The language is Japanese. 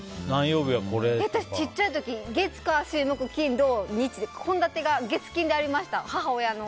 私、ちっちゃい時月火水木金土日で献立が月金でありました。